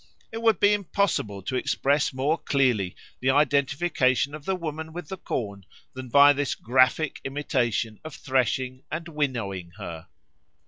It would be impossible to express more clearly the identification of the woman with the corn than by this graphic imitation of threshing and winnowing her.